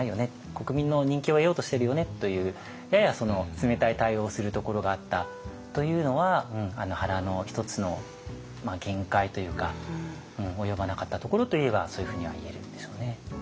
「国民の人気を得ようとしてるよね」というやや冷たい対応をするところがあったというのは原の一つの限界というか及ばなかったところといえばそういうふうには言えるんでしょうね。